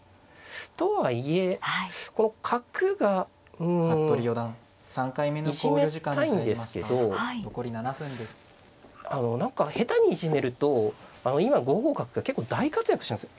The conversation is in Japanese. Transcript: とはいえこの角がうんいじめたいんですけど何か下手にいじめると今５五角が結構大活躍しますよ。